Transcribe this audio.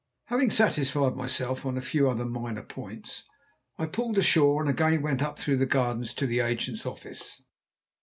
Having satisfied myself on a few other minor points, I pulled ashore and again went up through the gardens to the agents' office.